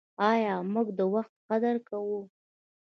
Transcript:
آیا موږ د وخت قدر کوو؟